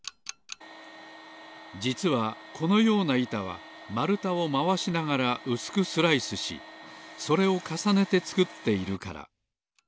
じつはこのようないたはまるたをまわしながらうすくスライスしそれをかさねてつくっているから。